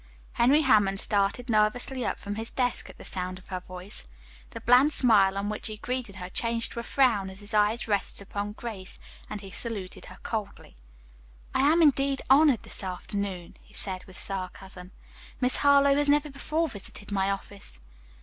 Henry Hammond started nervously up from his desk at the sound of her voice. The bland smile with which he greeted her changed to a frown as his eyes rested upon Grace, and he saluted her coldly. "I am, indeed, honored, this afternoon," he said with sarcasm. "Miss Harlowe has never before visited my office."